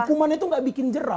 hukuman itu gak bikin jerah